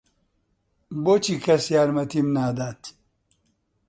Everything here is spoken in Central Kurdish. بۆچی کەس یارمەتیم نادات؟